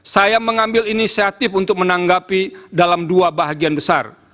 saya mengambil inisiatif untuk menanggapi dalam dua bahagian besar